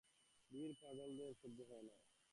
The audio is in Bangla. ভিড় পাগলদিদির সহ্য হয় না।